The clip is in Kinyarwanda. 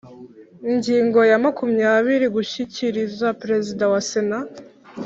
Ingingo ya makumyabiri Gushyikiriza Perezida wa sena